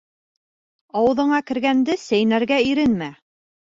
Ауыҙыңа кергәнде сәйнәргә иренмә.